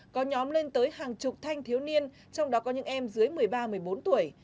có nhóm lên tới hàng chục thanh thiếu niên trong đó có những em dưới một mươi ba một mươi bốn tuổi